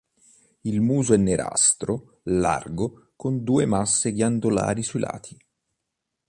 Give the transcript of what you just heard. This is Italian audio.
Il muso è nerastro, largo, con due masse ghiandolari sui lati.